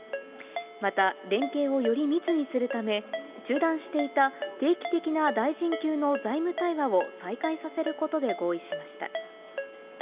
また連携をより密にするため、中断していた定期的な大臣級の財務対話を再開させることで合意しました。